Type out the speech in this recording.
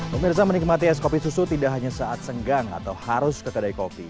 pemirsa menikmati es kopi susu tidak hanya saat senggang atau harus ke kedai kopi